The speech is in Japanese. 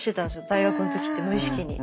大学の時って無意識に。